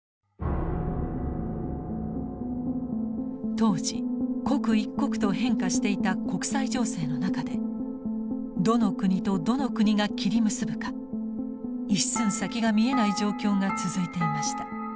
当時刻一刻と変化していた国際情勢の中でどの国とどの国が切り結ぶか一寸先が見えない状況が続いていました。